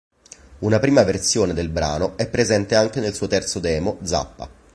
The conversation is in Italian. Una prima versione del brano è presente anche nel suo terzo demo "Zappa".